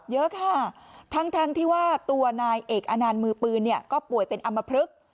เยอะค่ะทั้งที่ว่าตัวนายเอกอนันต์มือปืนเนี่ยก็ป่วยเป็นอำมพลึก